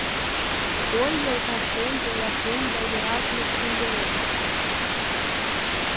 Ой, йолташем, пелашем да, йӧраталме шӱмбелем